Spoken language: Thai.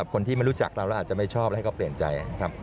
คนที่ไม่รู้จักเราอาจจะไม่ชอบและให้เขาเปลี่ยนใจ